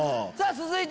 続いて。